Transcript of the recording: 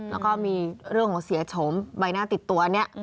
แล้วก็มีเรื่องของเสียโฉมใบหน้าติดตัวเนี่ย